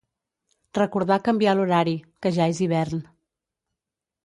Recordar canviar l'horari, que ja és hivern.